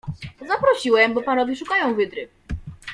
Zaprosiłem, bo panowie szukają wydry.